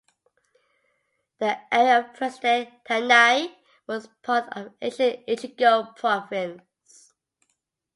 The area of present-day Tainai was part of ancient Echigo Province.